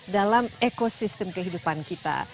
dalam ekosistem kehidupan kita